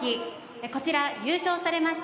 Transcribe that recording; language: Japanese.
こちら、優勝されました